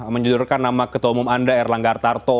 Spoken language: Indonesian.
menjudurkan nama ketua umum anda erlang gartarto